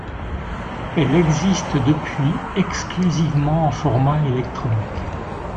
Elle existe depuis exclusivement en format électronique.